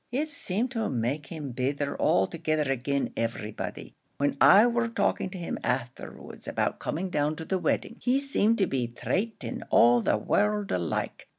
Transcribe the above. "It seemed to make him bitther altogether agin everybody; when I war talking to him aftherwards about coming down to the wedding, he seemed to be trating all the world alike.